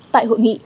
tại hội nghị